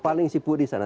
paling sibuk di sana